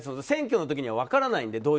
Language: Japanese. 選挙の時には分からないので。